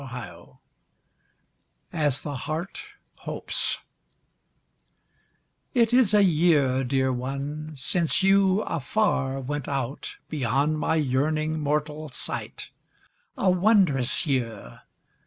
93 AS THE HEART HOPES It is a year dear one, since you afar Went out beyond my yearning mortal sight — A wondrous year